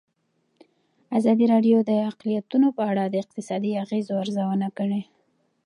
ازادي راډیو د اقلیتونه په اړه د اقتصادي اغېزو ارزونه کړې.